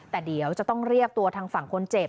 แต่เดี๋ยวจะต้องเรียกตัวทางฝั่งคนเจ็บ